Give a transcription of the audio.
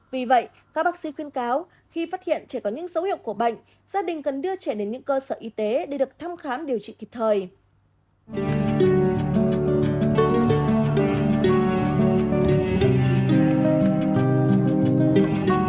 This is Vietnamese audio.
vì vậy các bác sĩ khuyên cáo khi phát hiện trẻ có những dấu hiệu của bệnh gia đình cần đưa trẻ đến những cơ sở y tế để được thăm khám điều trị kịp thời